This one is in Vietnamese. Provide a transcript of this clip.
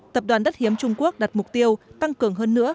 tập đoàn đất hiếm trung quốc đặt mục tiêu tăng cường hơn nữa